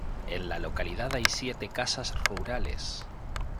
En la localidad hay siete casas rurales.